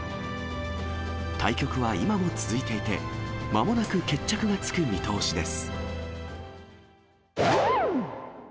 対局は今も続いていて、まもなく決着がつく見通しです。